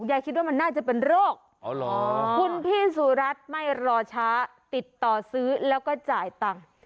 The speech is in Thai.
คิดว่ามันน่าจะเป็นโรคคุณพี่สุรัตน์ไม่รอช้าติดต่อซื้อแล้วก็จ่ายตังค์